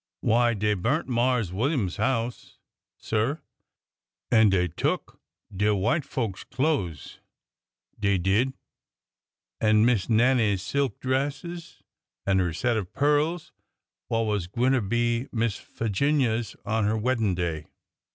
Why, dey burnt Marse William's house, sir, an' dey tuk de white folk's clothes, dey did, an' Miss Nannie's silk dresses, and her set of pearls wha' was gwineter be Miss Figinia's on her weddin' day."